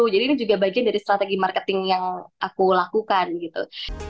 jadi ini juga bagian dari strategi marketing yang aku lakukan gitu